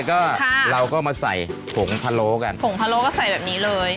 แล้วเราก็ใส่อันนี้โยนไปพร้อมกันเลย